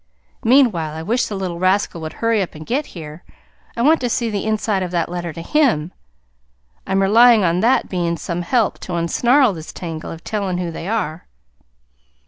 Meanwhile I wish the little rascal would hurry up and get here. I want to see the inside of that letter to HIM. I'm relying on that being some help to unsnarl this tangle of telling who they are."